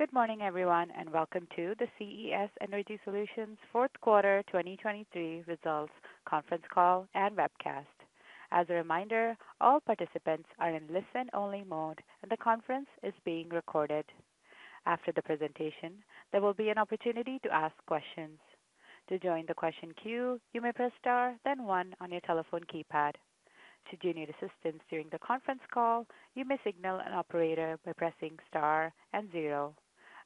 Good morning, everyone, and welcome to the CES Energy Solutions Fourth Quarter 2023 Results Conference Call and Webcast. As a reminder, all participants are in listen-only mode, and the conference is being recorded. After the presentation, there will be an opportunity to ask questions. To join the question queue, you may press star, then one on your telephone keypad. Should you need assistance during the conference call, you may signal an operator by pressing star and 0.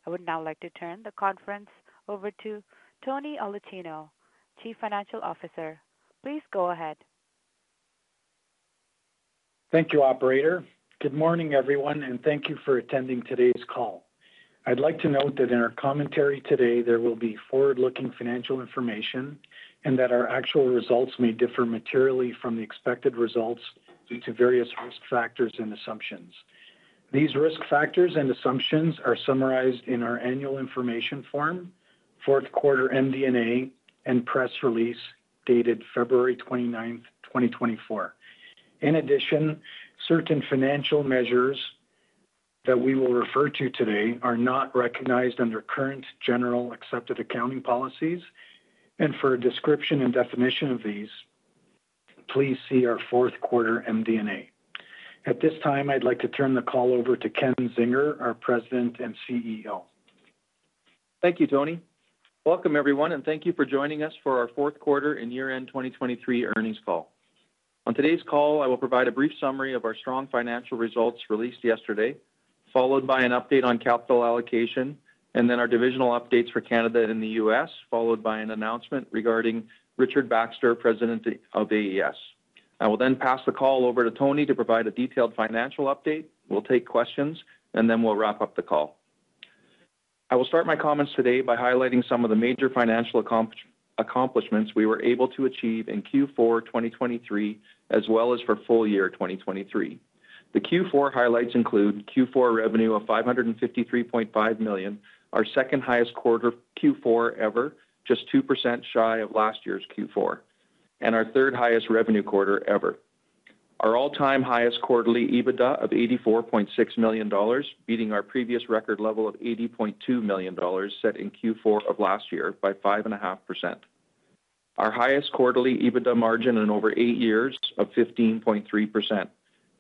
I would now like to turn the conference over to Tony Aulicino, Chief Financial Officer. Please go ahead. Thank you, Operator. Good morning, everyone, and thank you for attending today's call. I'd like to note that in our commentary today, there will be forward-looking financial information and that our actual results may differ materially from the expected results due to various risk factors and assumptions. These risk factors and assumptions are summarized in our annual information form, Fourth Quarter MD&A, and press release dated February 29th, 2024. In addition, certain financial measures that we will refer to today are not recognized under current generally accepted accounting policies, and for a description and definition of these, please see our Fourth Quarter MD&A. At this time, I'd like to turn the call over to Ken Zinger, our President and CEO. Thank you, Tony. Welcome, everyone, and thank you for joining us for our Fourth Quarter and Year-End 2023 earnings call. On today's call, I will provide a brief summary of our strong financial results released yesterday, followed by an update on capital allocation, and then our divisional updates for Canada and the U.S., followed by an announcement regarding Richard Baxter, President of AES. I will then pass the call over to Tony to provide a detailed financial update. We'll take questions, and then we'll wrap up the call. I will start my comments today by highlighting some of the major financial accomplishments we were able to achieve in Q4 2023 as well as for full year 2023. The Q4 highlights include Q4 revenue of $553.5 million, our second-highest quarter Q4 ever, just 2% shy of last year's Q4, and our third-highest revenue quarter ever. Our all-time highest quarterly EBITDA of $84.6 million, beating our previous record level of $80.2 million set in Q4 of last year by 5.5%. Our highest quarterly EBITDA margin in over eight years of 15.3%.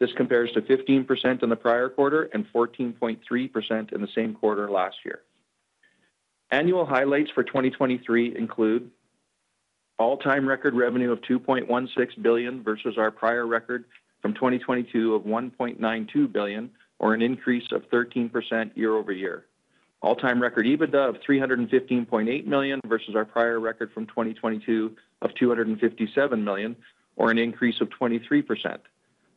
This compares to 15% in the prior quarter and 14.3% in the same quarter last year. Annual highlights for 2023 include all-time record revenue of $2.16 billion versus our prior record from 2022 of $1.92 billion, or an increase of 13% year-over-year. All-time record EBITDA of $315.8 million versus our prior record from 2022 of $257 million, or an increase of 23%.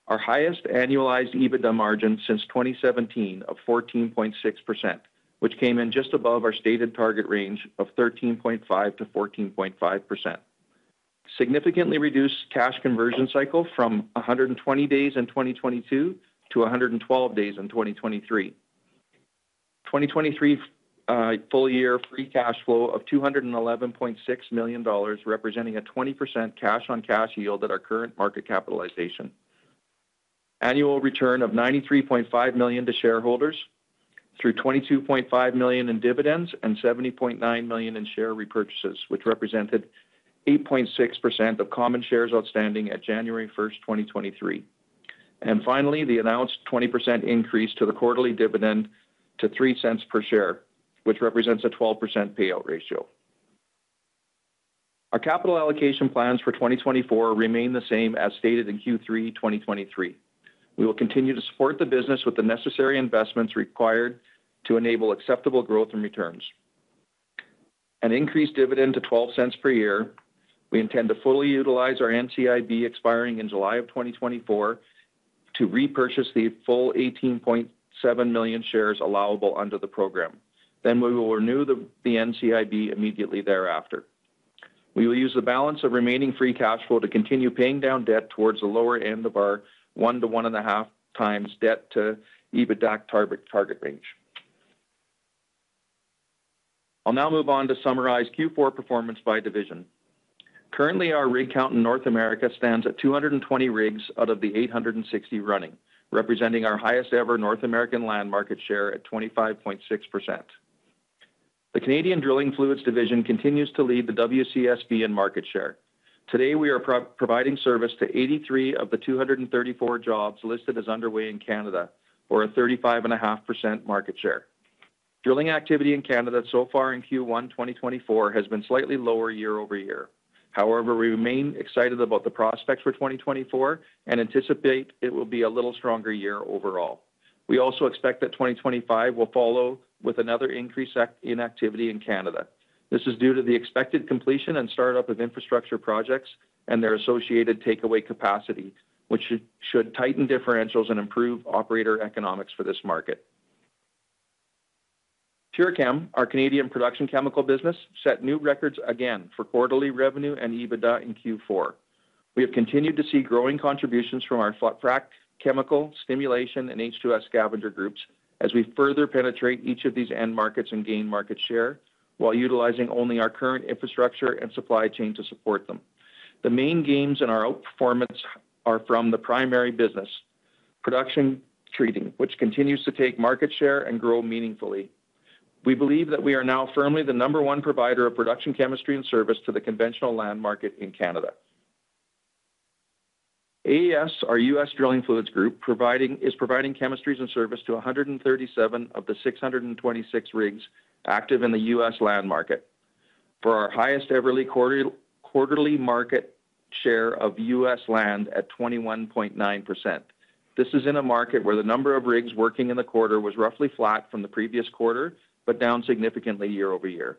Our highest annualized EBITDA margin since 2017 of 14.6%, which came in just above our stated target range of 13.5%-14.5%. Significantly reduced cash conversion cycle from 120 days in 2022 to 112 days in 2023. 2023 full year free cash flow of 211.6 million dollars, representing a 20% cash-on-cash yield at our current market capitalization. Annual return of 93.5 million to shareholders through 22.5 million in dividends and 70.9 million in share repurchases, which represented 8.6% of common shares outstanding at January 1st, 2023. Finally, the announced 20% increase to the quarterly dividend to 0.03 per share, which represents a 12% payout ratio. Our capital allocation plans for 2024 remain the same as stated in Q3 2023. We will continue to support the business with the necessary investments required to enable acceptable growth and returns. An increased dividend to 0.12 per year. We intend to fully utilize our NCIB expiring in July of 2024 to repurchase the full 18.7 million shares allowable under the program. We will renew the NCIB immediately thereafter. We will use the balance of remaining free cash flow to continue paying down debt towards the lower end of our 1-1.5 times debt to EBITDA target range. I'll now move on to summarize Q4 performance by division. Currently, our rig count in North America stands at 220 rigs out of the 860 running, representing our highest-ever North American land market share at 25.6%. The Canadian Drilling Fluids division continues to lead the WCSB in market share. Today, we are providing service to 83 of the 234 jobs listed as underway in Canada, for a 35.5% market share. Drilling activity in Canada so far in Q1 2024 has been slightly lower year-over-year. However, we remain excited about the prospects for 2024 and anticipate it will be a little stronger year overall. We also expect that 2025 will follow with another increase in activity in Canada. This is due to the expected completion and startup of infrastructure projects and their associated takeaway capacity, which should tighten differentials and improve operator economics for this market. PureChem, our Canadian production chemical business, set new records again for quarterly revenue and EBITDA in Q4. We have continued to see growing contributions from our frac chemical, stimulation, and H2S scavenger groups as we further penetrate each of these end markets and gain market share while utilizing only our current infrastructure and supply chain to support them. The main gains in our outperformance are from the primary business, production treating, which continues to take market share and grow meaningfully. We believe that we are now firmly the number one provider of production chemistry and service to the conventional land market in Canada. AES, our U.S. Drilling Fluids group, is providing chemistries and service to 137 of the 626 rigs active in the U.S. land market, for our highest-ever quarterly market share of U.S. land at 21.9%. This is in a market where the number of rigs working in the quarter was roughly flat from the previous quarter but down significantly year-over-year.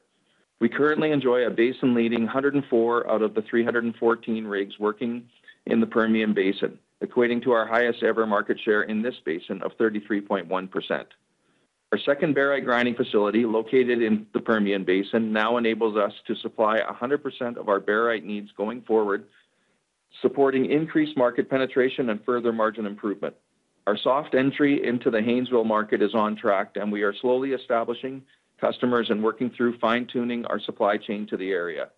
We currently enjoy a basin-leading 104 out of the 314 rigs working in the Permian Basin, equating to our highest-ever market share in this basin of 33.1%. Our second barite grinding facility, located in the Permian Basin, now enables us to supply 100% of our barite needs going forward, supporting increased market penetration and further margin improvement. Our soft entry into the Haynesville market is on track, and we are slowly establishing customers and working through fine-tuning our supply chain to the area.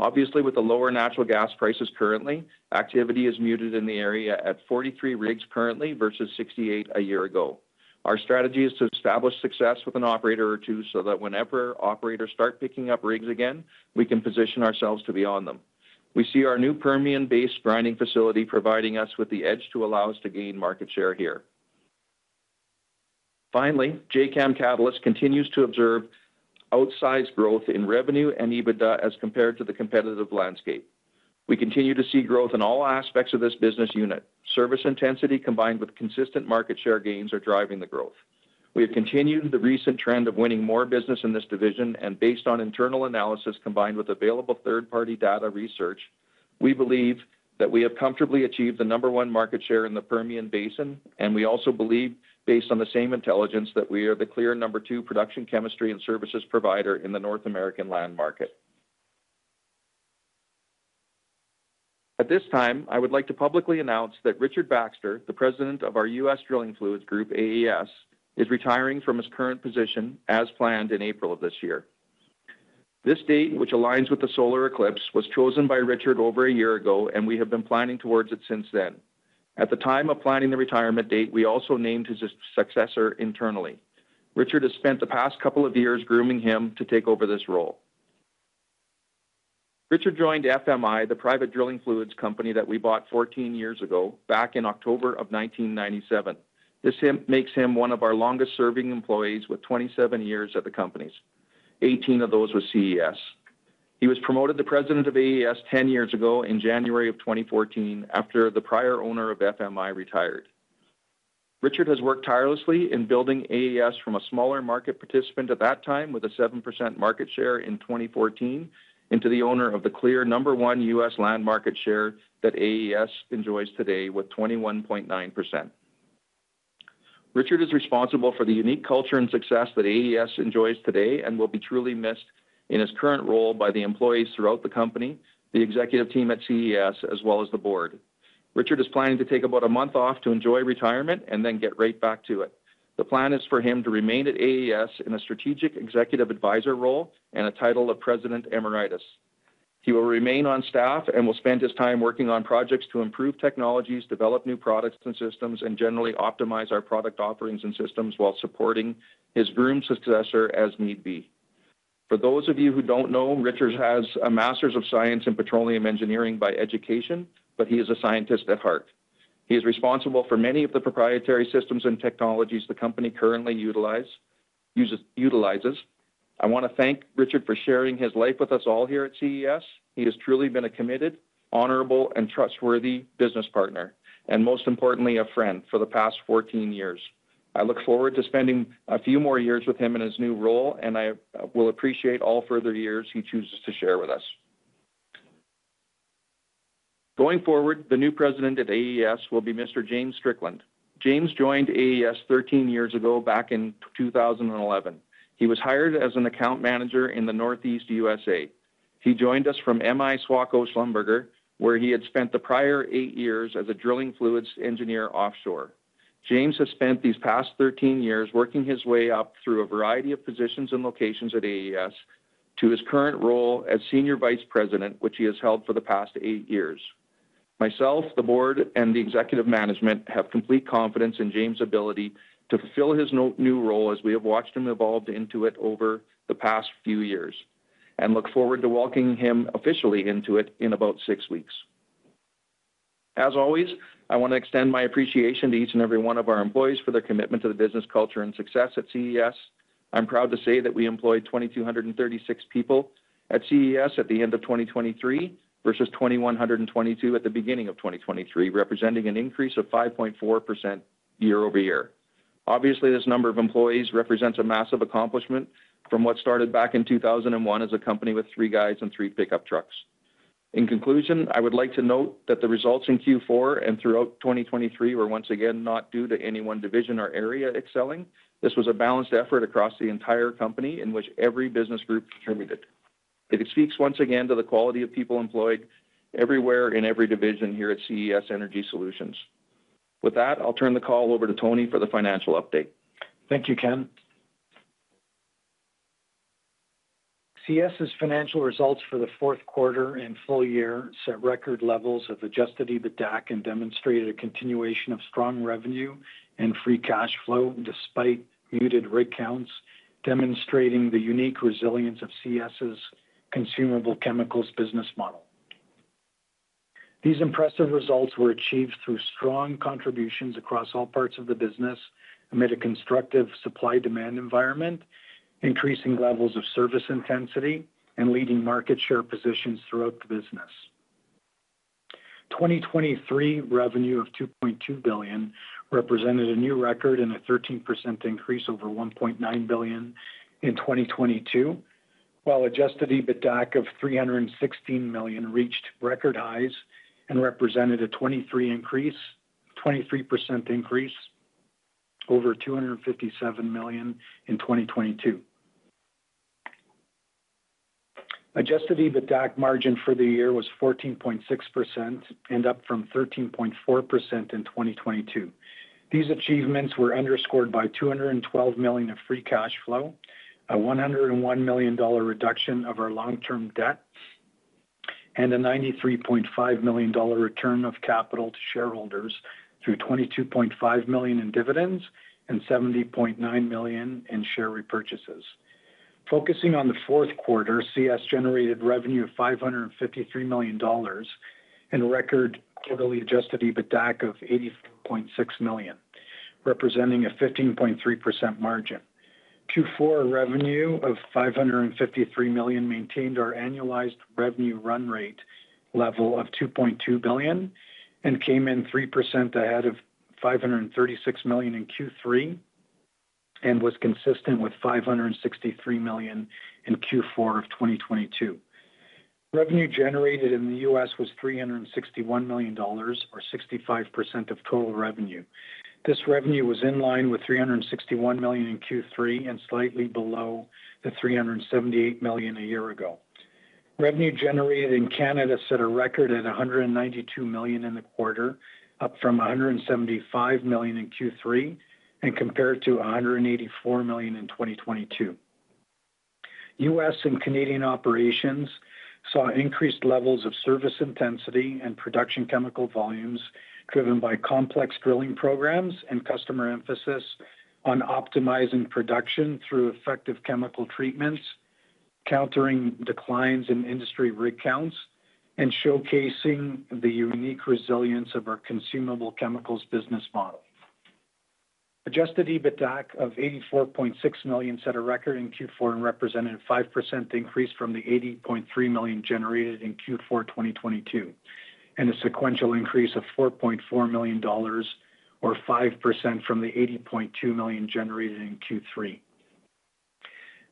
Obviously, with the lower natural gas prices currently, activity is muted in the area at 43 rigs currently versus 68 a year ago. Our strategy is to establish success with an operator or two so that whenever operators start picking up rigs again, we can position ourselves to be on them. We see our new Permian-based grinding facility providing us with the edge to allow us to gain market share here. Finally, Jacam Catalyst continues to observe outsized growth in revenue and EBITDA as compared to the competitive landscape. We continue to see growth in all aspects of this business unit. Service intensity combined with consistent market share gains are driving the growth. We have continued the recent trend of winning more business in this division, and based on internal analysis combined with available third-party data research, we believe that we have comfortably achieved the number one market share in the Permian Basin, and we also believe, based on the same intelligence, that we are the clear number two production chemistry and services provider in the North American land market. At this time, I would like to publicly announce that Richard Baxter, the President of our U.S. Drilling Fluids group, AES, is retiring from his current position as planned in April of this year. This date, which aligns with the solar eclipse, was chosen by Richard over a year ago, and we have been planning towards it since then. At the time of planning the retirement date, we also named his successor internally. Richard has spent the past couple of years grooming him to take over this role. Richard joined FMI, the private drilling fluids company that we bought 14 years ago, back in October of 1997. This makes him one of our longest-serving employees with 27 years at the companies. 18 of those with CES. He was promoted to President of AES 10 years ago in January of 2014 after the prior owner of FMI retired. Richard has worked tirelessly in building AES from a smaller market participant at that time with a 7% market share in 2014 into the owner of the clear number one U.S. land market share that AES enjoys today with 21.9%. Richard is responsible for the unique culture and success that AES enjoys today and will be truly missed in his current role by the employees throughout the company, the executive team at CES, as well as the board. Richard is planning to take about a month off to enjoy retirement and then get right back to it. The plan is for him to remain at AES in a strategic executive advisor role and a title of President Emeritus. He will remain on staff and will spend his time working on projects to improve technologies, develop new products and systems, and generally optimize our product offerings and systems while supporting his groomed successor as need be. For those of you who don't know, Richard has a Master's of Science in Petroleum Engineering by education, but he is a scientist at heart. He is responsible for many of the proprietary systems and technologies the company currently utilizes. I want to thank Richard for sharing his life with us all here at CES. He has truly been a committed, honorable, and trustworthy business partner, and most importantly, a friend for the past 14 years. I look forward to spending a few more years with him in his new role, and I will appreciate all further years he chooses to share with us. Going forward, the new President at AES will be Mr. James Strickland. James joined AES 13 years ago, back in 2011. He was hired as an account manager in the Northeast USA. He joined us from M-I SWACO Schlumberger, where he had spent the prior eight years as a drilling fluids engineer offshore. James has spent these past 13 years working his way up through a variety of positions and locations at AES to his current role as Senior Vice President, which he has held for the past 8 years. Myself, the board, and the executive management have complete confidence in James' ability to fulfill his new role as we have watched him evolve into it over the past few years and look forward to walking him officially into it in about 6 weeks. As always, I want to extend my appreciation to each and every one of our employees for their commitment to the business culture and success at CES. I'm proud to say that we employed 2,236 people at CES at the end of 2023 versus 2,122 at the beginning of 2023, representing an increase of 5.4% year-over-year. Obviously, this number of employees represents a massive accomplishment from what started back in 2001 as a company with three guides and three pickup trucks. In conclusion, I would like to note that the results in Q4 and throughout 2023 were once again not due to any one division or area excelling. This was a balanced effort across the entire company in which every business group contributed. It speaks once again to the quality of people employed everywhere in every division here at CES Energy Solutions. With that, I'll turn the call over to Tony for the financial update. Thank you, Ken. CES's financial results for the fourth quarter and full year set record levels of adjusted EBITDA and demonstrated a continuation of strong revenue and free cash flow despite muted rig counts, demonstrating the unique resilience of CES's consumable chemicals business model. These impressive results were achieved through strong contributions across all parts of the business amid a constructive supply-demand environment, increasing levels of service intensity, and leading market share positions throughout the business. 2023 revenue of $2.2 billion represented a new record and a 13% increase over $1.9 billion in 2022, while adjusted EBITDA of $316 million reached record highs and represented a 23% increase over $257 million in 2022. Adjusted EBITDA margin for the year was 14.6% and up from 13.4% in 2022. These achievements were underscored by $212 million of free cash flow, a $101 million reduction of our long-term debt, and a $93.5 million return of capital to shareholders through $22.5 million in dividends and $70.9 million in share repurchases. Focusing on the fourth quarter, CES generated revenue of $553 million and a record quarterly adjusted EBITDA of $84.6 million, representing a 15.3% margin. Q4 revenue of $553 million maintained our annualized revenue run rate level of $2.2 billion and came in 3% ahead of $536 million in Q3 and was consistent with $563 million in Q4 of 2022. Revenue generated in the U.S. was $361 million or 65% of total revenue. This revenue was in line with $361 million in Q3 and slightly below the $378 million a year ago. Revenue generated in Canada set a record at $192 million in the quarter, up from $175 million in Q3 and compared to $184 million in 2022. U.S. and Canadian operations saw increased levels of service intensity and production chemical volumes driven by complex drilling programs and customer emphasis on optimizing production through effective chemical treatments, countering declines in industry rig counts, and showcasing the unique resilience of our consumable chemicals business model. Adjusted EBITDA of $84.6 million set a record in Q4 and represented a 5% increase from the $80.3 million generated in Q4 2022 and a sequential increase of $4.4 million or 5% from the $80.2 million generated in Q3.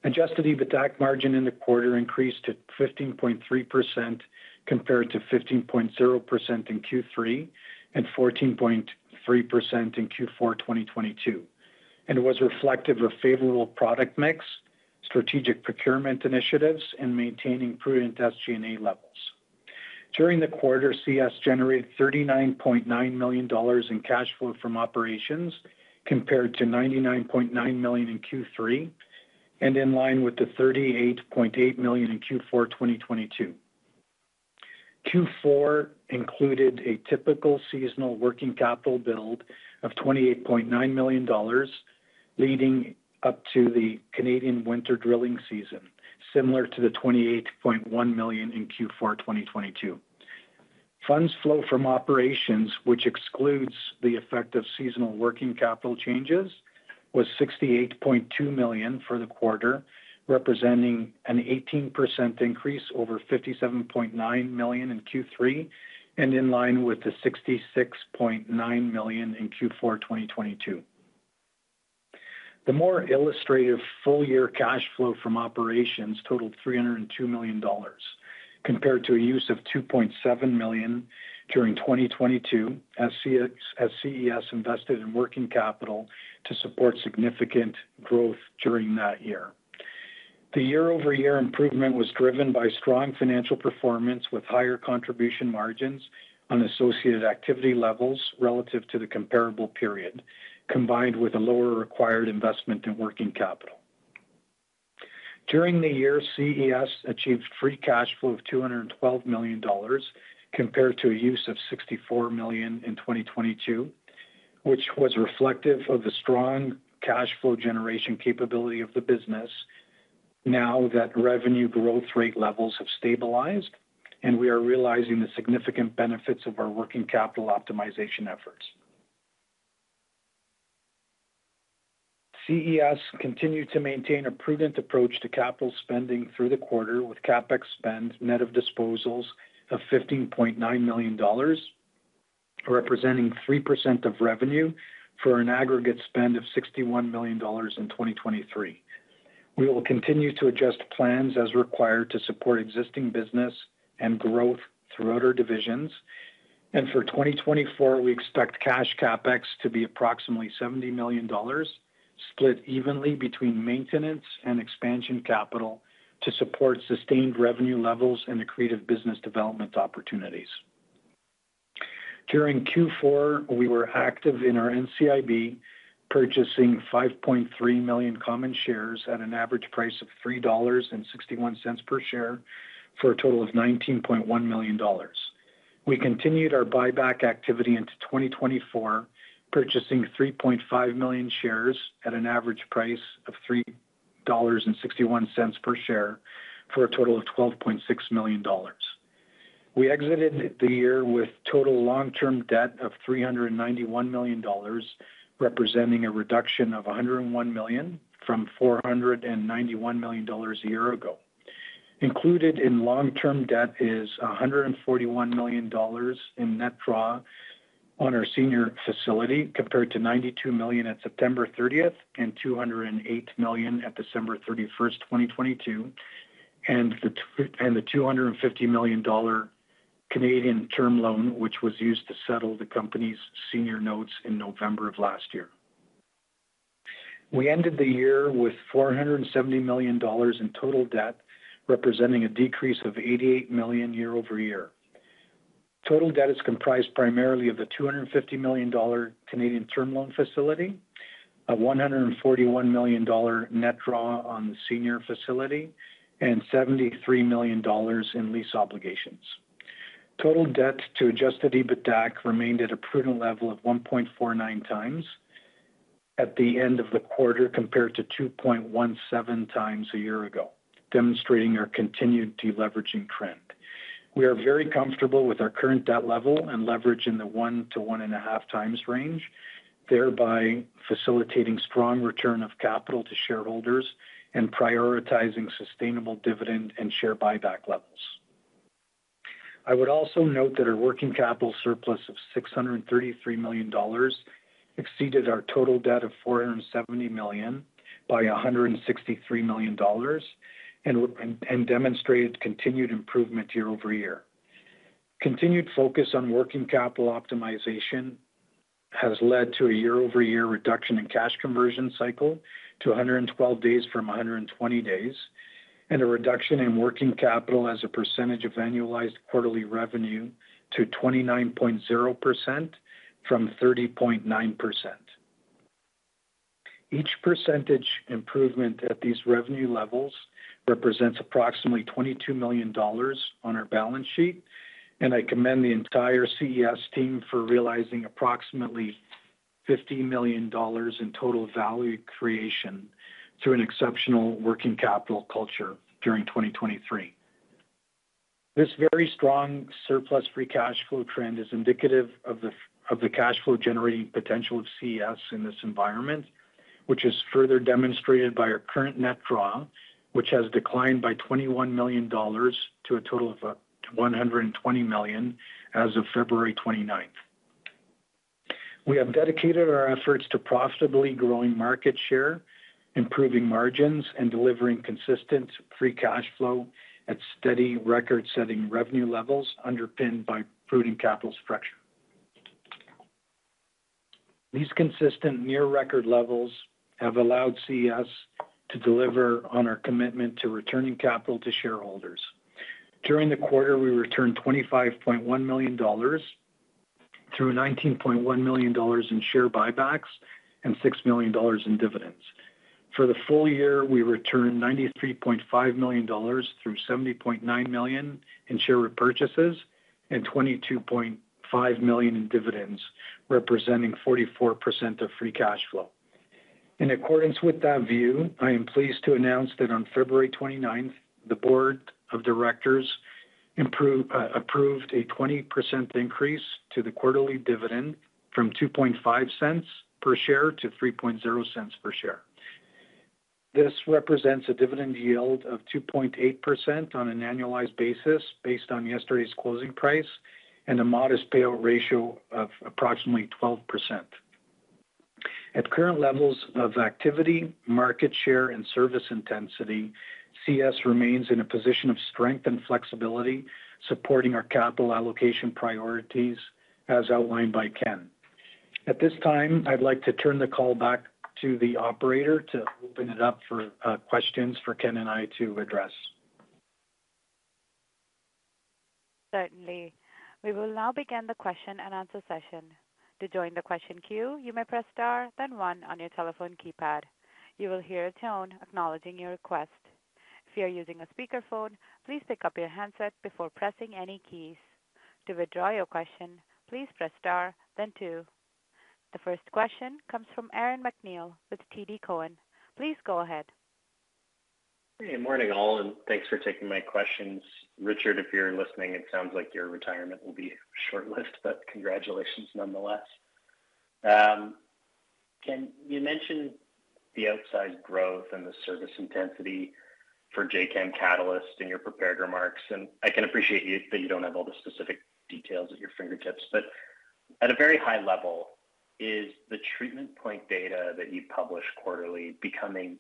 Adjusted EBITDA margin in the quarter increased to 15.3% compared to 15.0% in Q3 and 14.3% in Q4 2022, and was reflective of favorable product mix, strategic procurement initiatives, and maintaining prudent SG&A levels. During the quarter, CES generated $39.9 million in cash flow from operations compared to $99.9 million in Q3 and in line with the $38.8 million in Q4 2022. Q4 included a typical seasonal working capital build of $28.9 million leading up to the Canadian winter drilling season, similar to the $28.1 million in Q4 2022. Funds flow from operations, which excludes the effect of seasonal working capital changes, was 68.2 million for the quarter, representing an 18% increase over 57.9 million in Q3 and in line with the 66.9 million in Q4 2022. The more illustrative full-year cash flow from operations totaled 302 million dollars compared to a use of 2.7 million during 2022 as CES invested in working capital to support significant growth during that year. The year-over-year improvement was driven by strong financial performance with higher contribution margins on associated activity levels relative to the comparable period, combined with a lower required investment in working capital. During the year, CES achieved free cash flow of $212 million compared to a use of $64 million in 2022, which was reflective of the strong cash flow generation capability of the business now that revenue growth rate levels have stabilized and we are realizing the significant benefits of our working capital optimization efforts. CES continued to maintain a prudent approach to capital spending through the quarter with CapEx spend net of disposals of $15.9 million, representing 3% of revenue for an aggregate spend of $61 million in 2023. We will continue to adjust plans as required to support existing business and growth throughout our divisions, and for 2024, we expect cash CapEx to be approximately $70 million, split evenly between maintenance and expansion capital to support sustained revenue levels and the creative business development opportunities. During Q4, we were active in our NCIB purchasing 5.3 million common shares at an average price of 3.61 dollars per share for a total of 19.1 million dollars. We continued our buyback activity into 2024, purchasing 3.5 million shares at an average price of 3.61 dollars per share for a total of 12.6 million dollars. We exited the year with total long-term debt of 391 million dollars, representing a reduction of 101 million from 491 million dollars a year ago. Included in long-term debt is 141 million dollars in net draw on our senior facility compared to 92 million at September 30th and 208 million at December 31st, 2022, and the 250 million Canadian dollars Canadian term loan, which was used to settle the company's senior notes in November of last year. We ended the year with 470 million dollars in total debt, representing a decrease of 88 million year-over-year. Total debt is comprised primarily of the $250 million Canadian term loan facility, a $141 million net draw on the senior facility, and $73 million in lease obligations. Total debt to Adjusted EBITDA remained at a prudent level of 1.49 times at the end of the quarter compared to 2.17 times a year ago, demonstrating our continued deleveraging trend. We are very comfortable with our current debt level and leverage in the 1-1.5 times range, thereby facilitating strong return of capital to shareholders and prioritizing sustainable dividend and share buyback levels. I would also note that our working capital surplus of $633 million exceeded our total debt of $470 million by $163 million and demonstrated continued improvement year-over-year. Continued focus on working capital optimization has led to a year-over-year reduction in cash conversion cycle to 112 days from 120 days and a reduction in working capital as a percentage of annualized quarterly revenue to 29.0% from 30.9%. Each percentage improvement at these revenue levels represents approximately $22 million on our balance sheet, and I commend the entire CES team for realizing approximately $50 million in total value creation through an exceptional working capital culture during 2023. This very strong surplus free cash flow trend is indicative of the cash flow generating potential of CES in this environment, which is further demonstrated by our current net draw, which has declined by $21 million to a total of $120 million as of February 29th. We have dedicated our efforts to profitably growing market share, improving margins, and delivering consistent free cash flow at steady record-setting revenue levels underpinned by prudent capital structure. These consistent near-record levels have allowed CES to deliver on our commitment to returning capital to shareholders. During the quarter, we returned $25.1 million through $19.1 million in share buybacks and $6 million in dividends. For the full year, we returned $93.5 million through $70.9 million in share repurchases and $22.5 million in dividends, representing 44% of free cash flow. In accordance with that view, I am pleased to announce that on February 29th, the board of directors approved a 20% increase to the quarterly dividend from $0.02 per share to $0.03 per share. This represents a dividend yield of 2.8% on an annualized basis based on yesterday's closing price and a modest payout ratio of approximately 12%. At current levels of activity, market share, and service intensity, CES remains in a position of strength and flexibility, supporting our capital allocation priorities as outlined by Ken. At this time, I'd like to turn the call back to the operator to open it up for questions for Ken and I to address. Certainly. We will now begin the question and answer session. To join the question queue, you may press star, then one on your telephone keypad. You will hear a tone acknowledging your request. If you are using a speakerphone, please pick up your handset before pressing any keys. To withdraw your question, please press star, then two. The first question comes from Aaron MacNeil with TD Cowen. Please go ahead. Hey. Morning, all, and thanks for taking my questions. Richard, if you're listening, it sounds like your retirement will be shortlisted, but congratulations nonetheless. Ken, you mentioned the outsized growth and the service intensity for Jacam Catalyst in your prepared remarks, and I can appreciate that you don't have all the specific details at your fingertips. But at a very high level, is the treatment point data that you publish quarterly becoming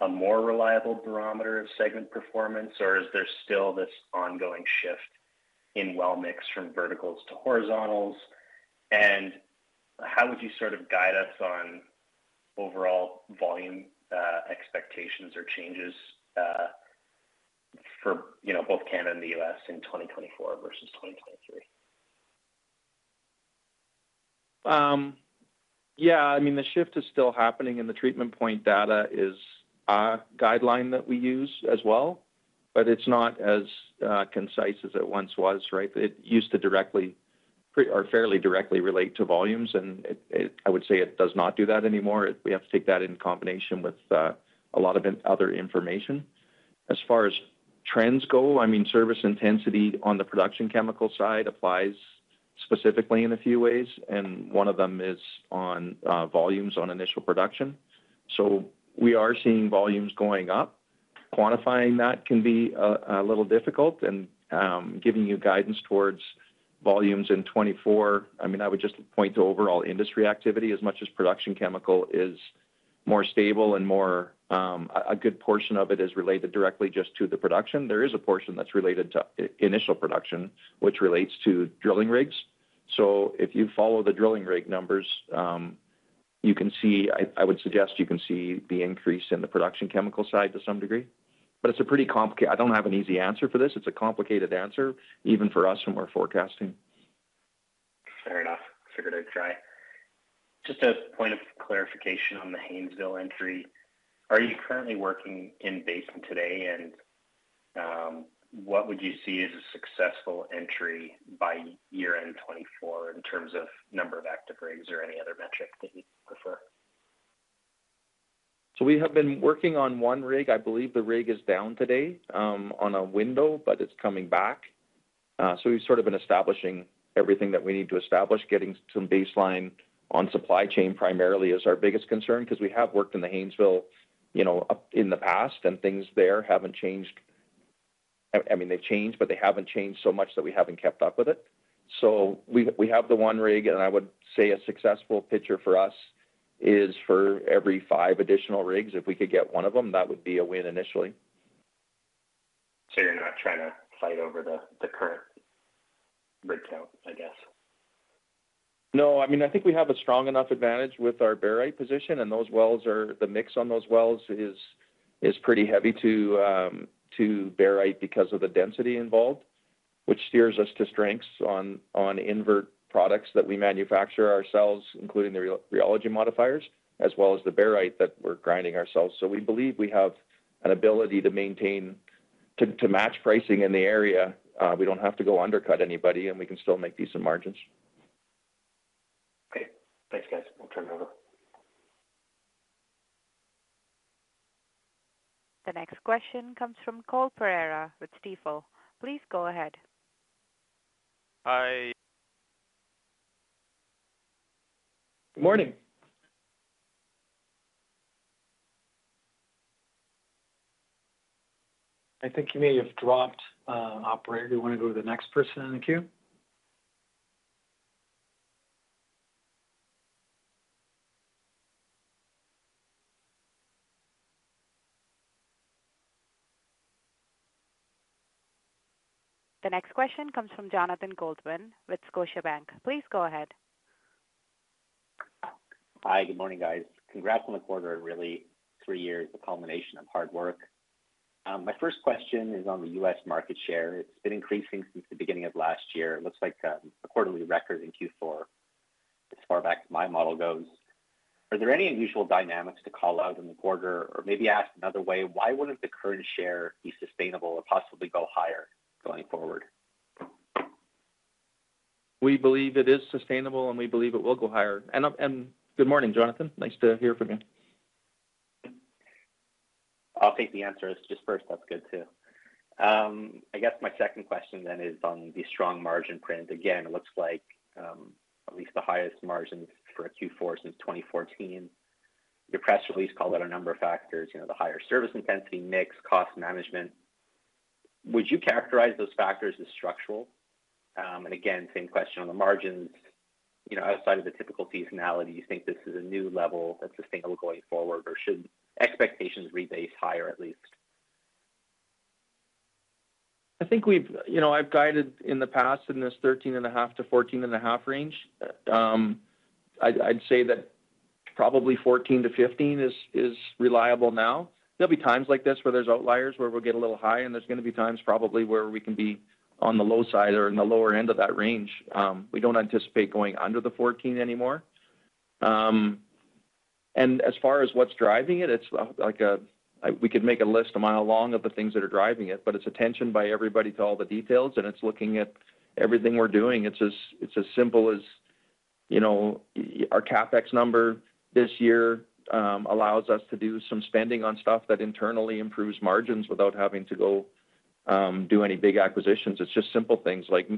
a more reliable barometer of segment performance, or is there still this ongoing shift in well mix from verticals to horizontals? And how would you sort of guide us on overall volume expectations or changes for both Canada and the U.S. in 2024 versus 2023? Yeah. I mean, the shift is still happening, and the treatment point data is a guideline that we use as well, but it's not as concise as it once was, right? It used to directly or fairly directly relate to volumes, and I would say it does not do that anymore. We have to take that in combination with a lot of other information. As far as trends go, I mean, service intensity on the production chemical side applies specifically in a few ways, and one of them is on volumes on initial production. So we are seeing volumes going up. Quantifying that can be a little difficult, and giving you guidance towards volumes in 2024, I mean, I would just point to overall industry activity as much as production chemical is more stable and more a good portion of it is related directly just to the production. There is a portion that's related to initial production, which relates to drilling rigs. So if you follow the drilling rig numbers, you can see I would suggest you can see the increase in the production chemical side to some degree. But it's a pretty complicated. I don't have an easy answer for this. It's a complicated answer, even for us when we're forecasting. Fair enough. I figured I'd try. Just a point of clarification on the Haynesville entry. Are you currently working in Haynesville today, and what would you see as a successful entry by year-end 2024 in terms of number of active rigs or any other metric that you'd prefer? So we have been working on one rig. I believe the rig is down today on a window, but it's coming back. So we've sort of been establishing everything that we need to establish, getting some baseline on supply chain primarily as our biggest concern because we have worked in the Haynesville in the past, and things there haven't changed, I mean, they've changed, but they haven't changed so much that we haven't kept up with it. So we have the one rig, and I would say a successful picture for us is for every five additional rigs. If we could get one of them, that would be a win initially. So you're not trying to fight over the current rig count, I guess? No. I mean, I think we have a strong enough advantage with our barite position, and those wells are the mix on those wells is pretty heavy to barite because of the density involved, which steers us to strengths on invert products that we manufacture ourselves, including the rheology modifiers, as well as the barite that we're grinding ourselves. So we believe we have an ability to maintain to match pricing in the area. We don't have to go undercut anybody, and we can still make decent margins. Okay. Thanks, guys. We'll turn it over. The next question comes from Cole Pereira with Stifel. Please go ahead. Hi. Good morning. I think you may have dropped, operator. You want to go to the next person in the queue? The next question comes from Jonathan Goldman with Scotiabank. Please go ahead. Hi. Good morning, guys. Congrats on the quarter, really. Three years, the culmination of hard work. My first question is on the U.S. market share. It's been increasing since the beginning of last year. It looks like a quarterly record in Q4, as far back as my model goes. Are there any unusual dynamics to call out in the quarter or maybe ask another way, why wouldn't the current share be sustainable or possibly go higher going forward? We believe it is sustainable, and we believe it will go higher. And good morning, Jonathan. Nice to hear from you. I'll take the answer as just first. That's good too. I guess my second question then is on the strong margin print. Again, it looks like at least the highest margins for Q4 since 2014. Your press release called out a number of factors, the higher service intensity mix, cost management. Would you characterize those factors as structural? And again, same question on the margins. Outside of the typical seasonality, do you think this is a new level that's sustainable going forward, or should expectations rebase higher at least? I think we've guided in the past in this 13.5-14.5 range. I'd say that probably 14-15 is reliable now. There'll be times like this where there's outliers where we'll get a little high, and there's going to be times probably where we can be on the low side or in the lower end of that range. We don't anticipate going under the 14 anymore. As far as what's driving it, it's like a we could make a list a mile long of the things that are driving it, but it's attention by everybody to all the details, and it's looking at everything we're doing. It's as simple as our CapEx number this year allows us to do some spending on stuff that internally improves margins without having to go do any big acquisitions. It's just simple things like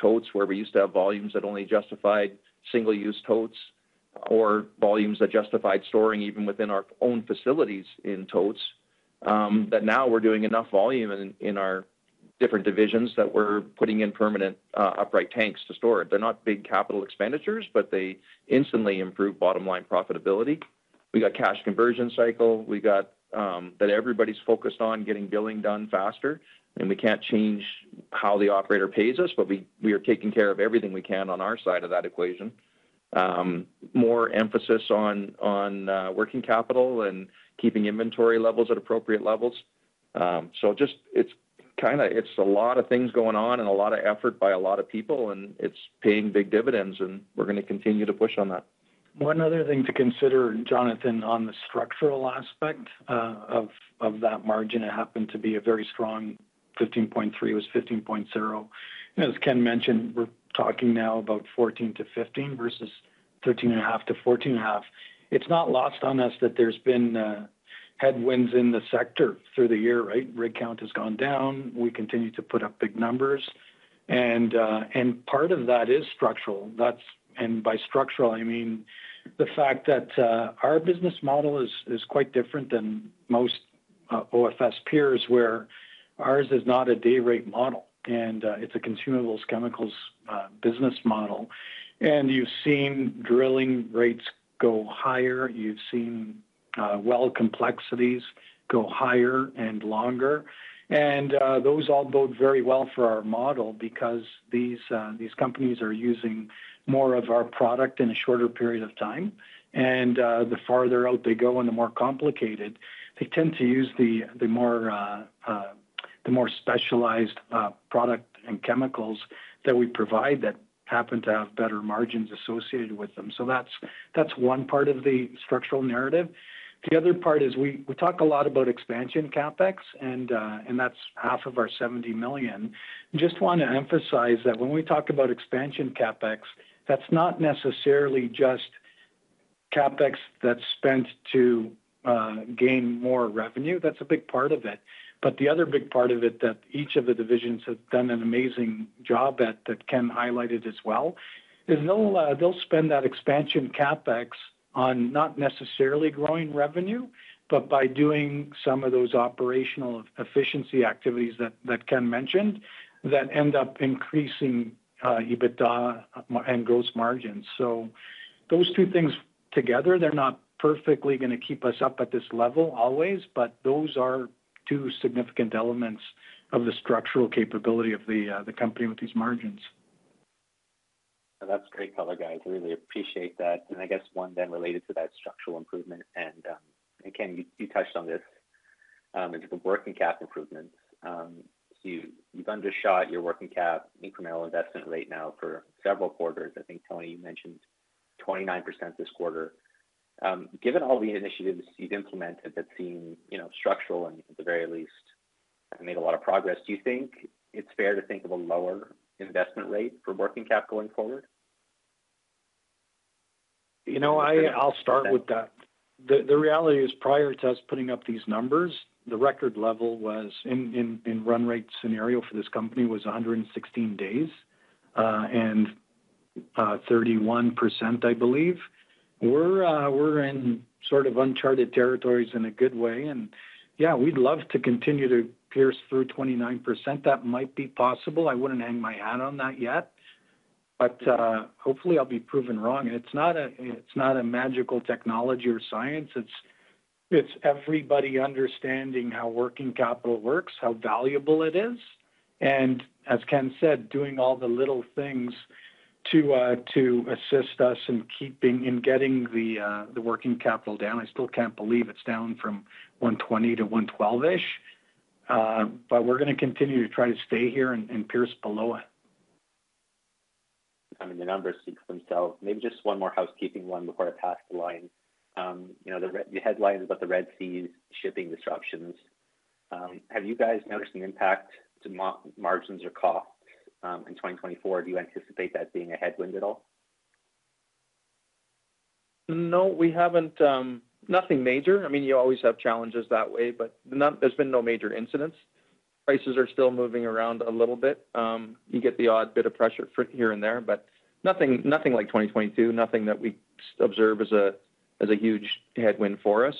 totes where we used to have volumes that only justified single-use totes or volumes that justified storing even within our own facilities in totes that now we're doing enough volume in our different divisions that we're putting in permanent upright tanks to store it. They're not big capital expenditures, but they instantly improve bottom-line profitability. We got cash conversion cycle. We got that everybody's focused on getting billing done faster, and we can't change how the operator pays us, but we are taking care of everything we can on our side of that equation. More emphasis on working capital and keeping inventory levels at appropriate levels. So it's kind of it's a lot of things going on and a lot of effort by a lot of people, and it's paying big dividends, and we're going to continue to push on that. One other thing to consider, Jonathan, on the structural aspect of that margin, it happened to be a very strong 15.3 was 15.0. As Ken mentioned, we're talking now about 14-15 versus 13.5-14.5. It's not lost on us that there's been headwinds in the sector through the year, right? Rig count has gone down. We continue to put up big numbers. And part of that is structural. And by structural, I mean the fact that our business model is quite different than most OFS peers where ours is not a day-rate model, and it's a consumables chemicals business model. And you've seen drilling rates go higher. You've seen well complexities go higher and longer. And those all bode very well for our model because these companies are using more of our product in a shorter period of time. And the farther out they go and the more complicated, they tend to use the more specialized product and chemicals that we provide that happen to have better margins associated with them. So that's one part of the structural narrative. The other part is we talk a lot about expansion CapEx, and that's half of our 70 million. Just want to emphasize that when we talk about expansion CapEx, that's not necessarily just CapEx that's spent to gain more revenue. That's a big part of it. But the other big part of it that each of the divisions have done an amazing job at that Ken highlighted as well is they'll spend that expansion CapEx on not necessarily growing revenue, but by doing some of those operational efficiency activities that Ken mentioned that end up increasing EBITDA and gross margins. Those two things together, they're not perfectly going to keep us up at this level always, but those are two significant elements of the structural capability of the company with these margins. That's great color, guys. I really appreciate that. I guess one then related to that structural improvement. Again, you touched on this. It's the working cap improvements. You've undershot your working cap incremental investment rate now for several quarters. I think, Tony, you mentioned 29% this quarter. Given all the initiatives you've implemented that seem structural and, at the very least, have made a lot of progress, do you think it's fair to think of a lower investment rate for working cap going forward? I'll start with that. The reality is, prior to us putting up these numbers, the record level was in run-rate scenario for this company was 116 days and 31%, I believe. We're in sort of uncharted territories in a good way. And yeah, we'd love to continue to pierce through 29%. That might be possible. I wouldn't hang my hat on that yet. But hopefully, I'll be proven wrong. And it's not a magical technology or science. It's everybody understanding how working capital works, how valuable it is. And as Ken said, doing all the little things to assist us in getting the working capital down. I still can't believe it's down from 120 to 112-ish, but we're going to continue to try to stay here and pierce below it. I mean, the numbers speak for themselves. Maybe just one more housekeeping one before I pass the line. The headline is about the Red Sea's shipping disruptions. Have you guys noticed an impact to margins or costs in 2024? Do you anticipate that being a headwind at all? No, we haven't. Nothing major. I mean, you always have challenges that way, but there's been no major incidents. Prices are still moving around a little bit. You get the odd bit of pressure here and there, but nothing like 2022, nothing that we observe as a huge headwind for us.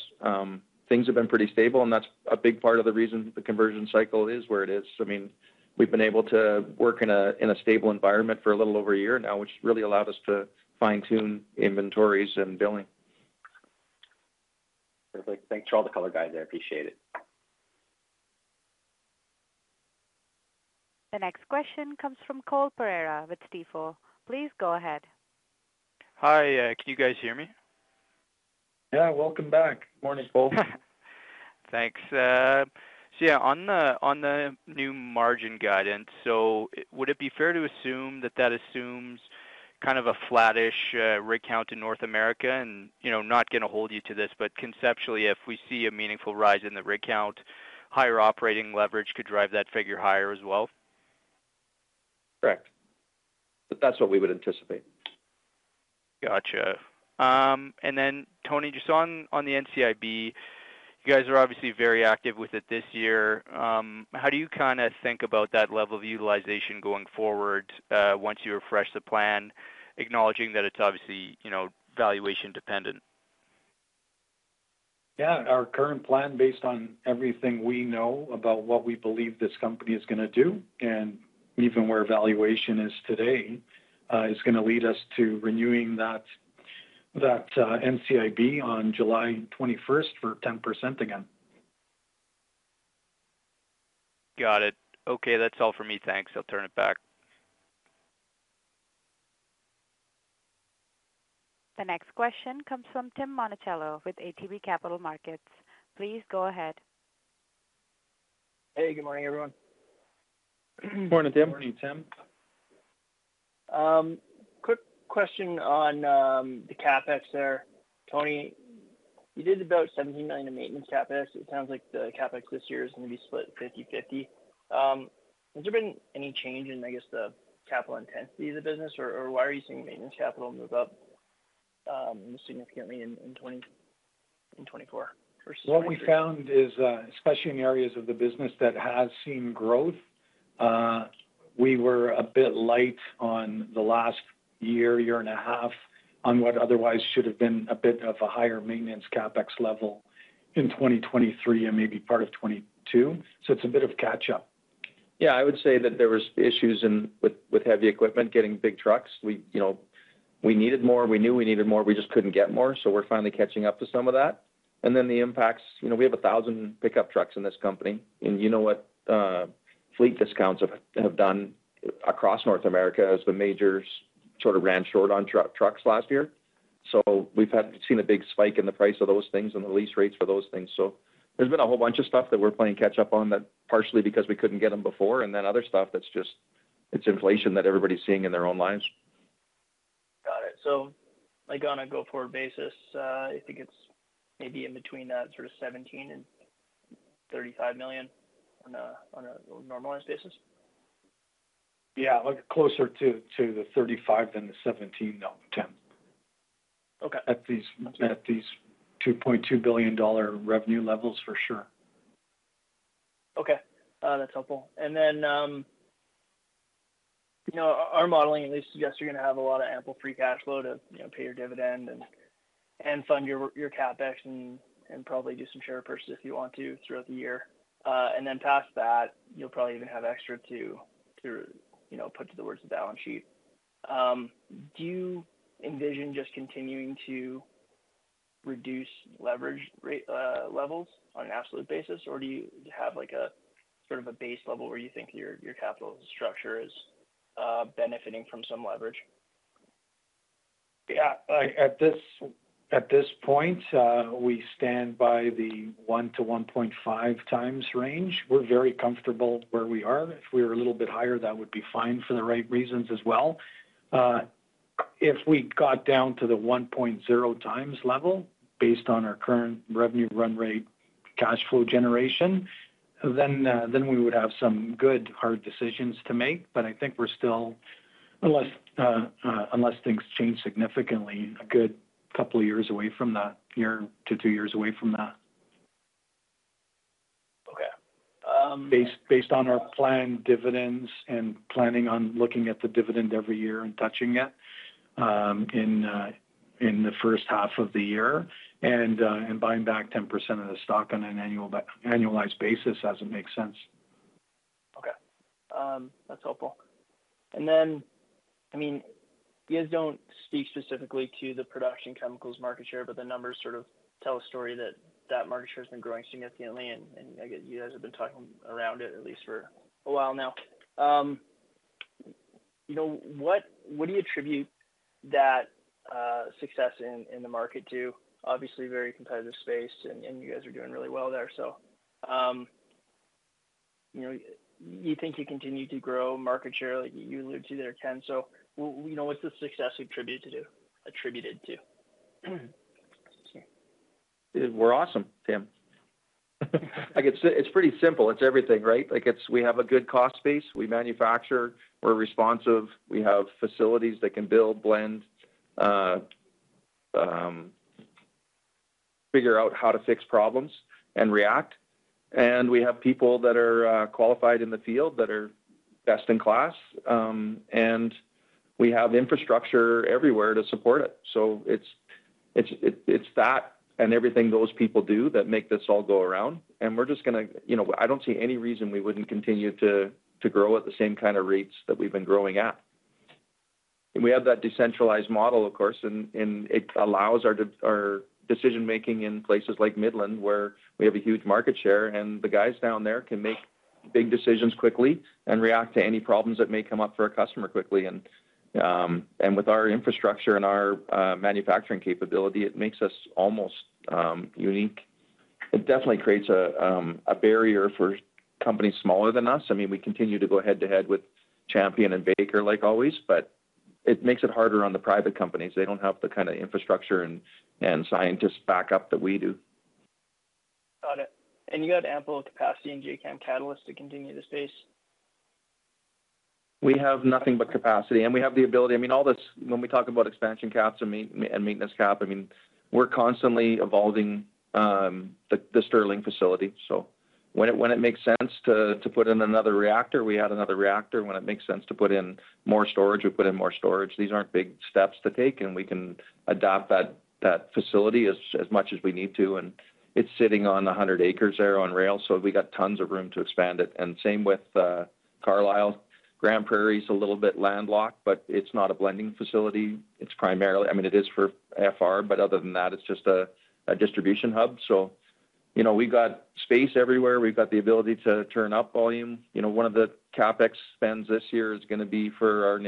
Things have been pretty stable, and that's a big part of the reason the conversion cycle is where it is. I mean, we've been able to work in a stable environment for a little over a year now, which really allowed us to fine-tune inventories and billing. Perfect. Thanks for all the color, guys. I appreciate it. The next question comes from Cole Pereira with Stifel. Please go ahead. Hi. Can you guys hear me? Yeah. Welcome back. Good morning, Cole. Thanks. So yeah, on the new margin guidance, so would it be fair to assume that that assumes kind of a flat-ish rig count in North America and not going to hold you to this? But conceptually, if we see a meaningful rise in the rig count, higher operating leverage could drive that figure higher as well? Correct. That's what we would anticipate. Gotcha. And then, Tony, just on the NCIB, you guys are obviously very active with it this year. How do you kind of think about that level of utilization going forward once you refresh the plan, acknowledging that it's obviously valuation-dependent? Yeah. Our current plan, based on everything we know about what we believe this company is going to do and even where valuation is today, is going to lead us to renewing that NCIB on July 21st for 10% again. Got it. Okay. That's all for me. Thanks. I'll turn it back. The next question comes from Tim Monachello with ATB Capital Markets. Please go ahead. Hey. Good morning, everyone. Morning, Tim. Morning, Tim. Quick question on the CapEx there. Tony, you did about $17 million in maintenance CapEx. It sounds like the CapEx this year is going to be split 50/50. Has there been any change in, I guess, the capital intensity of the business, or why are you seeing maintenance capital move up significantly in 2024 versus 2023? What we found is, especially in areas of the business that has seen growth, we were a bit light on the last year, year and a half, on what otherwise should have been a bit of a higher maintenance CapEx level in 2023 and maybe part of 2022. So it's a bit of catch-up. Yeah. I would say that there were issues with heavy equipment getting big trucks. We needed more. We knew we needed more. We just couldn't get more. So we're finally catching up to some of that. And then the impacts, we have 1,000 pickup trucks in this company. And you know what fleet discounts have done across North America as the majors sort of ran short on trucks last year? So we've seen a big spike in the price of those things and the lease rates for those things. So there's been a whole bunch of stuff that we're playing catch-up on, partially because we couldn't get them before, and then other stuff that's just it's inflation that everybody's seeing in their own lives. Got it. So on a go-forward basis, you think it's maybe in between that sort of $17 million-$35 million on a normalized basis? Yeah. Closer to the 35 than the 17, though, Tim, at these $2.2 billion revenue levels, for sure. Okay. That's helpful. And then our modeling, at least, suggests you're going to have a lot of ample free cash flow to pay your dividend and fund your CapEx and probably do some share purchases if you want to throughout the year. And then past that, you'll probably even have extra to put to the words of the balance sheet. Do you envision just continuing to reduce leverage levels on an absolute basis, or do you have sort of a base level where you think your capital structure is benefiting from some leverage? Yeah. At this point, we stand by the 1-1.5 times range. We're very comfortable where we are. If we were a little bit higher, that would be fine for the right reasons as well. If we got down to the 1.0 times level, based on our current revenue run-rate cash flow generation, then we would have some good hard decisions to make. But I think we're still, unless things change significantly, a good couple of years away from that, year to two years away from that, based on our planned dividends and planning on looking at the dividend every year and touching it in the first half of the year and buying back 10% of the stock on an annualized basis as it makes sense. Okay. That's helpful. And then, I mean, you guys don't speak specifically to the production chemicals market share, but the numbers sort of tell a story that that market share has been growing significantly. And I get you guys have been talking around it, at least for a while now. What do you attribute that success in the market to? Obviously, very competitive space, and you guys are doing really well there. So you think you continue to grow market share like you alluded to there, Ken. So what's the success attributed to? Excuse me. We're awesome, Tim. It's pretty simple. It's everything, right? We have a good cost base. We manufacture. We're responsive. We have facilities that can build, blend, figure out how to fix problems, and react. And we have people that are qualified in the field that are best in class. And we have infrastructure everywhere to support it. So it's that and everything those people do that make this all go around. And we're just going to. I don't see any reason we wouldn't continue to grow at the same kind of rates that we've been growing at. And we have that decentralized model, of course, and it allows our decision-making in places like Midland where we have a huge market share, and the guys down there can make big decisions quickly and react to any problems that may come up for a customer quickly. And with our infrastructure and our manufacturing capability, it makes us almost unique. It definitely creates a barrier for companies smaller than us. I mean, we continue to go head-to-head with Champion and Baker, like always, but it makes it harder on the private companies. They don't have the kind of infrastructure and scientists backup that we do. Got it. And you got ample capacity and Jacam Catalyst to continue this space? We have nothing but capacity. And we have the ability I mean, when we talk about expansion CapEx and maintenance CapEx, I mean, we're constantly evolving the Sterling facility. So when it makes sense to put in another reactor, we add another reactor. When it makes sense to put in more storage, we put in more storage. These aren't big steps to take, and we can adopt that facility as much as we need to. And it's sitting on 100 acres there on rail, so we got tons of room to expand it. And same with Carlyle. Grande Prairie a little bit landlocked, but it's not a blending facility. I mean, it is for FR, but other than that, it's just a distribution hub. So we've got space everywhere. We've got the ability to turn up volume. One of the CapEx spends this year is going to be for our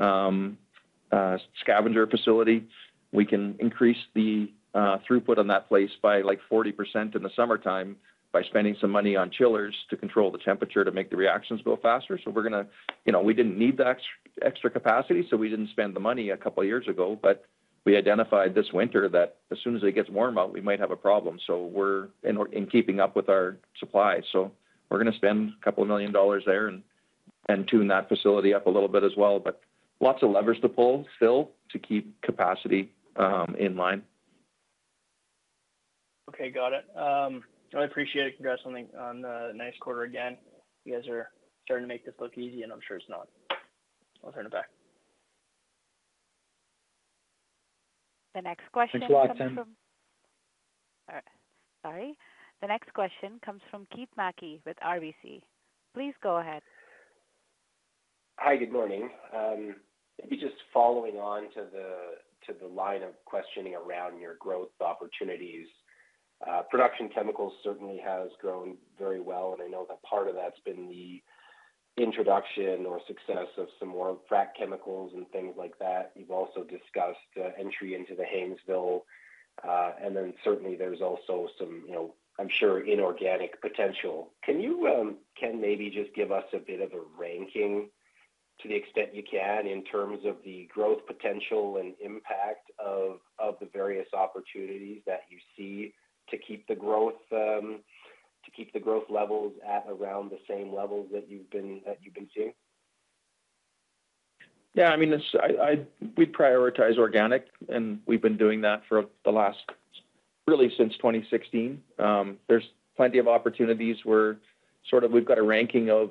H2S scavenger facility. We can increase the throughput on that place by like 40% in the summertime by spending some money on chillers to control the temperature to make the reactions go faster. So we're going to. We didn't need the extra capacity, so we didn't spend the money a couple of years ago. But we identified this winter that as soon as it gets warm out, we might have a problem. So we're keeping up with our supply. So we're going to spend $2 million there and tune that facility up a little bit as well, but lots of levers to pull still to keep capacity in line. Okay. Got it. I appreciate it. Congrats on the nice quarter again. You guys are starting to make this look easy, and I'm sure it's not. I'll turn it back. The next question comes from. Thanks a lot, Tim. All right. Sorry. The next question comes from Keith Mackey with RBC. Please go ahead. Hi. Good morning. Maybe just following on to the line of questioning around your growth opportunities. Production chemicals certainly has grown very well, and I know that part of that's been the introduction or success of some more frac chemicals and things like that. You've also discussed entry into the Haynesville. And then certainly, there's also some, I'm sure, inorganic potential. Can you, Ken, maybe just give us a bit of a ranking to the extent you can in terms of the growth potential and impact of the various opportunities that you see to keep the growth to keep the growth levels at around the same levels that you've been seeing? Yeah. I mean, we prioritize organic, and we've been doing that for the last really since 2016. There's plenty of opportunities where sort of we've got a ranking of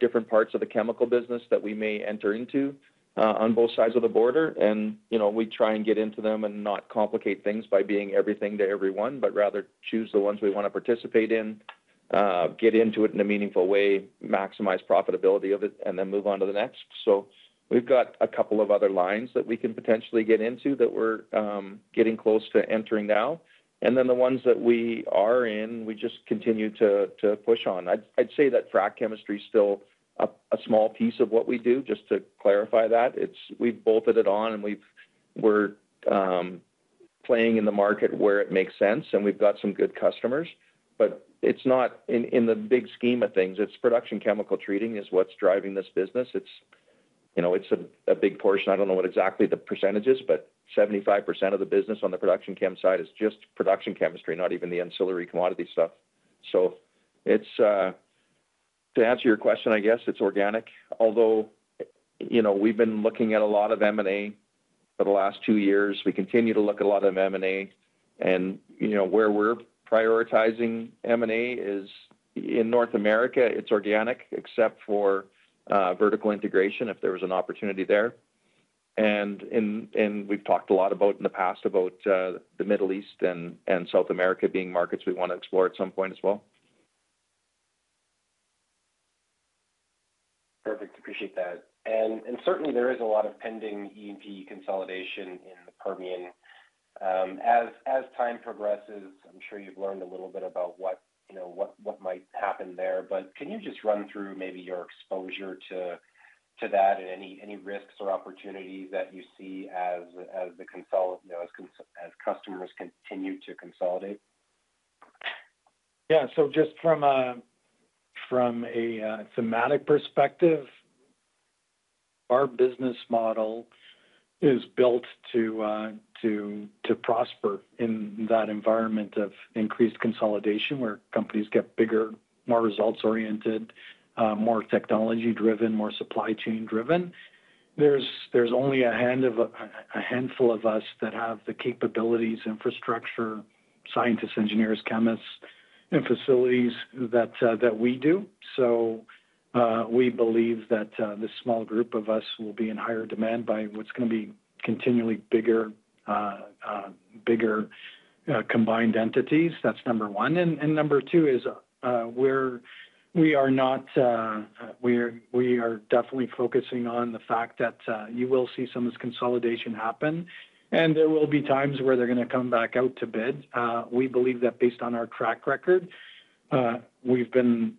different parts of the chemical business that we may enter into on both sides of the border. And we try and get into them and not complicate things by being everything to everyone, but rather choose the ones we want to participate in, get into it in a meaningful way, maximize profitability of it, and then move on to the next. So we've got a couple of other lines that we can potentially get into that we're getting close to entering now. And then the ones that we are in, we just continue to push on. I'd say that frac chemistry's still a small piece of what we do, just to clarify that. We've bolted it on, and we're playing in the market where it makes sense, and we've got some good customers. But in the big scheme of things, it's production chemical treating is what's driving this business. It's a big portion. I don't know what exactly the percentage is, but 75% of the business on the production chem side is just production chemistry, not even the ancillary commodity stuff. So to answer your question, I guess it's organic, although we've been looking at a lot of M&A for the last two years. We continue to look at a lot of M&A. And where we're prioritizing M&A is in North America. It's organic except for vertical integration if there was an opportunity there. And we've talked a lot about in the past about the Middle East and South America being markets we want to explore at some point as well. Perfect. Appreciate that. And certainly, there is a lot of pending E&P consolidation in the Permian. As time progresses, I'm sure you've learned a little bit about what might happen there. But can you just run through maybe your exposure to that and any risks or opportunities that you see as the customers continue to consolidate? Yeah. So just from a thematic perspective, our business model is built to prosper in that environment of increased consolidation where companies get bigger, more results-oriented, more technology-driven, more supply chain-driven. There's only a handful of us that have the capabilities, infrastructure, scientists, engineers, chemists, and facilities that we do. So we believe that this small group of us will be in higher demand by what's going to be continually bigger combined entities. That's number one. Number two is we are definitely focusing on the fact that you will see some of this consolidation happen, and there will be times where they're going to come back out to bid. We believe that based on our track record, we've been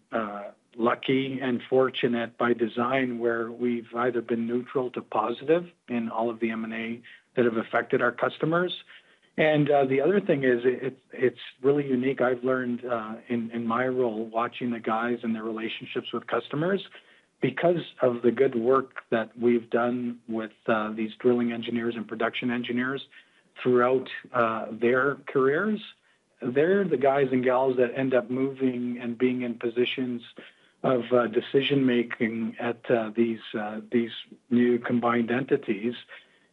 lucky and fortunate by design where we've either been neutral to positive in all of the M&A that have affected our customers. The other thing is it's really unique. I've learned in my role watching the guys and their relationships with customers because of the good work that we've done with these drilling engineers and production engineers throughout their careers. They're the guys and gals that end up moving and being in positions of decision-making at these new combined entities.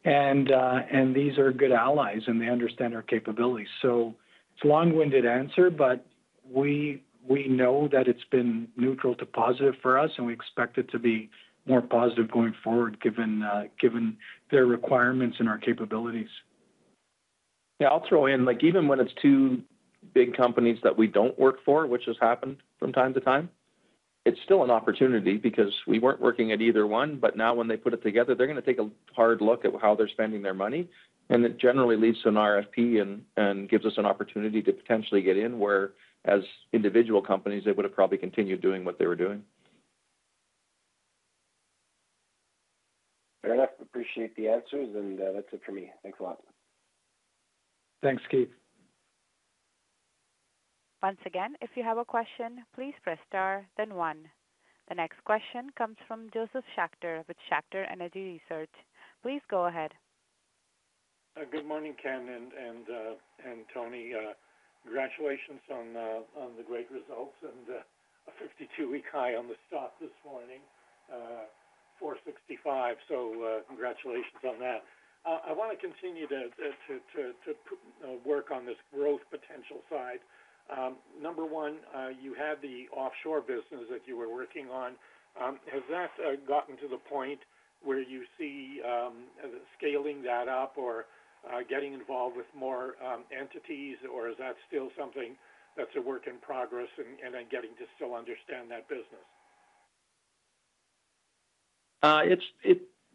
These are good allies, and they understand our capabilities. So it's a long-winded answer, but we know that it's been neutral to positive for us, and we expect it to be more positive going forward given their requirements and our capabilities. Yeah. I'll throw in, even when it's two big companies that we don't work for, which has happened from time to time, it's still an opportunity because we weren't working at either one. But now when they put it together, they're going to take a hard look at how they're spending their money. And it generally leads to an RFP and gives us an opportunity to potentially get in where, as individual companies, they would have probably continued doing what they were doing. Fair enough. Appreciate the answers, and that's it for me. Thanks a lot. Thanks, Keith. Once again, if you have a question, please press star, then one. The next question comes from Josef Schachter with Schachter Energy Research. Please go ahead. Good morning, Ken and Tony. Congratulations on the great results and a 52-week high on the stock this morning, 465. So congratulations on that. I want to continue to work on this growth potential side. Number one, you had the offshore business that you were working on. Has that gotten to the point where you see scaling that up or getting involved with more entities, or is that still something that's a work in progress and then getting to still understand that business?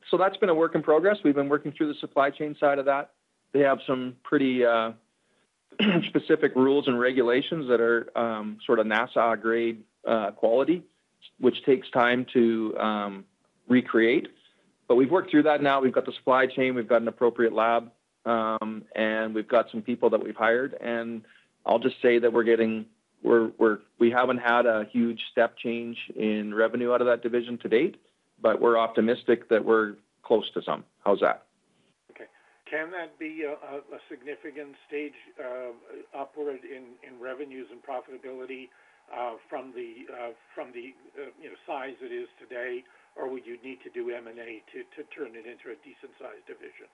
So that's been a work in progress. We've been working through the supply chain side of that. They have some pretty specific rules and regulations that are sort of NASA-grade quality, which takes time to recreate. But we've worked through that now. We've got the supply chain. We've got an appropriate lab, and we've got some people that we've hired. I'll just say that we haven't had a huge step change in revenue out of that division to date, but we're optimistic that we're close to some. How's that? Okay. Can that be a significant stage upward in revenues and profitability from the size it is today, or would you need to do M&A to turn it into a decent-sized division?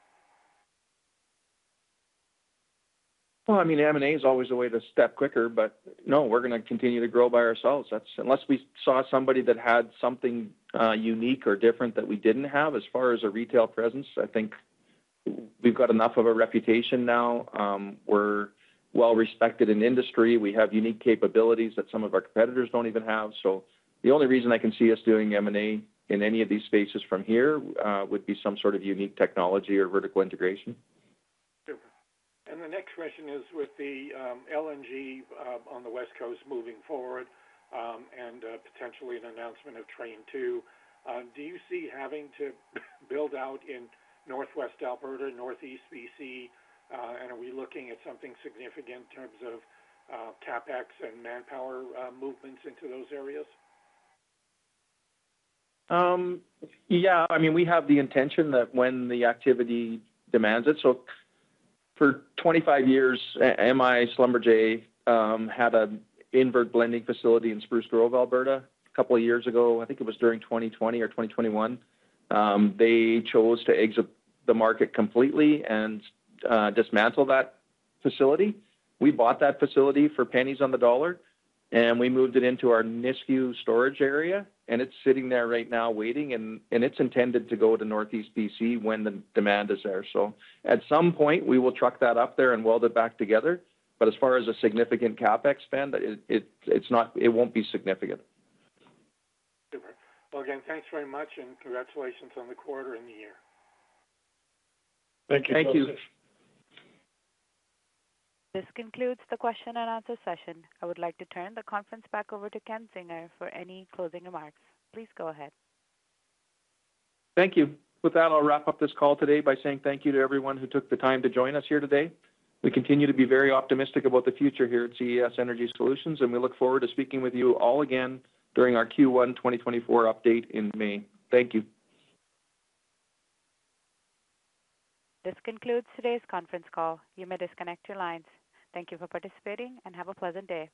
Well, I mean, M&A is always a way to step quicker, but no, we're going to continue to grow by ourselves. Unless we saw somebody that had something unique or different that we didn't have. As far as a retail presence, I think we've got enough of a reputation now. We're well-respected in industry. We have unique capabilities that some of our competitors don't even have. So the only reason I can see us doing M&A in any of these spaces from here would be some sort of unique technology or vertical integration. Sure. And the next question is with the LNG on the West Coast moving forward and potentially an announcement of train two. Do you see having to build out in Northwest Alberta, Northeast BC, and are we looking at something significant in terms of CapEx and manpower movements into those areas? Yeah. I mean, we have the intention that when the activity demands it. So for 25 years, M-I Schlumberger had an invert blending facility in Spruce Grove, Alberta, a couple of years ago. I think it was during 2020 or 2021. They chose to exit the market completely and dismantle that facility. We bought that facility for pennies on the dollar, and we moved it into our Nisku storage area, and it's sitting there right now waiting. And it's intended to go to Northeast BC when the demand is there. So at some point, we will truck that up there and weld it back together. But as far as a significant CapEx spend, it won't be significant. Super. Well, again, thanks very much, and congratulations on the quarter and the year. Thank you so much. Thank you. This concludes the question-and-answer session. I would like to turn the conference back over to Ken Zinger for any closing remarks. Please go ahead. Thank you. With that, I'll wrap up this call today by saying thank you to everyone who took the time to join us here today. We continue to be very optimistic about the future here at CES Energy Solutions, and we look forward to speaking with you all again during our Q1 2024 update in May. Thank you. This concludes today's conference call. You may disconnect your lines. Thank you for participating, and have a pleasant day.